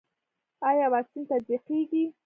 آیا واکسین تطبیقیږي؟